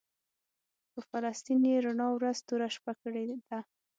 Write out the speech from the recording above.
په فلسطین یې رڼا ورځ توره شپه کړې ده.